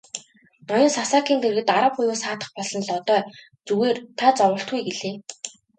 Ноён Сасакийн дэргэд арга буюу саатах болсон Лодой "Зүгээр та зоволтгүй" гэлээ.